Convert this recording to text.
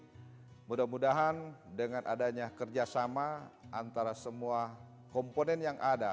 jadi mudah mudahan dengan adanya kerjasama antara semua komponen yang ada